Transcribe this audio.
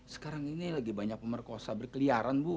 sekarang ini lagi banyak pemerkosa berkeliaran bu